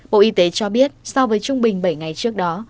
bộ y tế cho biết so với trung bình bảy ngày trước đó